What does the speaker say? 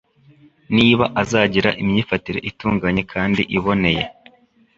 niba azagira imyifatire itunganye kandi iboneye